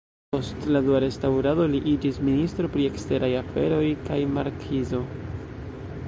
Post la Dua restaŭrado li iĝis ministro pri eksteraj aferoj kaj markizo.